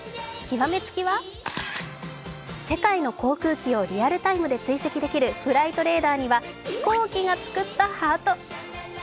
極め付きは世界の航空機をリアルタイムで追跡できるフライトレーダーには飛行機が作ったハート。